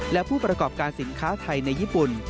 และผู้ประกอบการสินค้าไทยในญี่ปุ่น